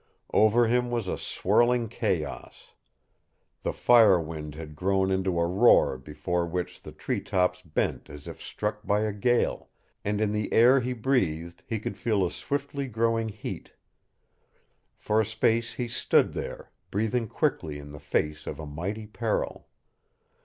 Over him was a swirling chaos. The fire wind had grown into a roar before which the tree tops bent as if struck by a gale, and in the air he breathed he could feel a swiftly growing heat. For a space he stood there, breathing quickly in the face of a mighty peril.